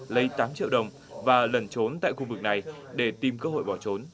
lấy tám triệu đồng và lẩn trốn tại khu vực này để tìm cơ hội bỏ trốn